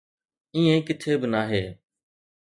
ائين ڪٿي به ناهي